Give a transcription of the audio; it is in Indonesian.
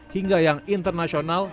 hingga yang internasional